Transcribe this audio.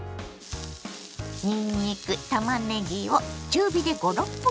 にんにくたまねぎを中火で５６分炒めます。